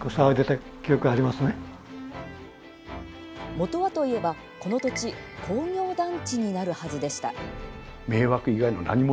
もとはといえば、この土地工業団地になるはずでした。